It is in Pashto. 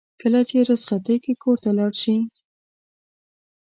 کله چې رخصتیو کې کور ته لاړ شي.